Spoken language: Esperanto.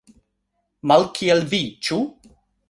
Malkiel vi, ĉu?